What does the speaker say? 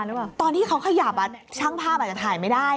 หรือตอนที่เขาขยับช่างภาพอาจจะถ่ายไม่ได้